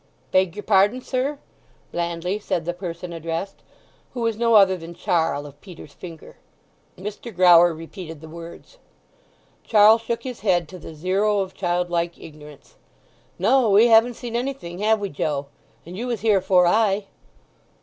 "Beg yer pardon, sir?" blandly said the person addressed, who was no other than Charl, of Peter's Finger. Mr. Grower repeated the words. Charl shook his head to the zero of childlike ignorance. "No; we haven't seen anything; have we, Joe? And you was here afore I."